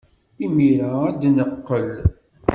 Imir-a ad d-neqqel.